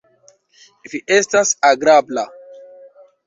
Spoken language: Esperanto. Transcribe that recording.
Vi estas agrabla.